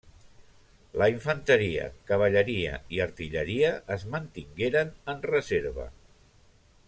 La infanteria, cavalleria i artilleria es mantingueren en reserva.